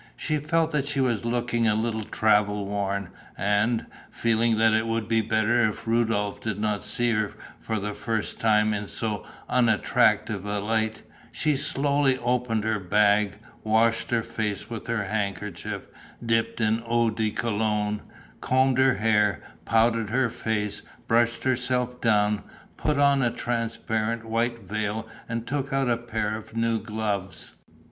She felt that she was looking a little travel worn: and, feeling that it would be better if Rudolph did not see her for the first time in so unattractive a light, she slowly opened her bag, washed her face with her handkerchief dipped in eau de Cologne, combed her hair, powdered her face, brushed herself down, put on a transparent white veil and took out a pair of new gloves.